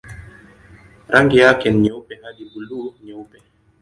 Rangi yake ni nyeupe hadi buluu-nyeupe.